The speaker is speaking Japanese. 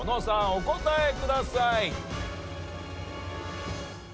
お答えください。